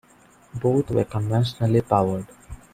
Both were conventionally powered.